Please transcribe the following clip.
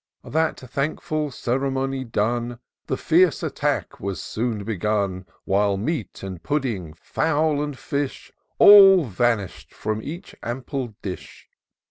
That thankfiol ceremony done. The fierce attack was soon begun ; While meat and pudding, fowl and fish, All vamsh'd from each ample dish.